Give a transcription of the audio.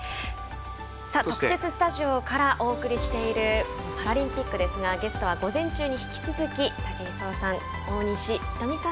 特設スタジオからお送りしているパラリンピックですがゲストは午前中に引き続き武井壮さん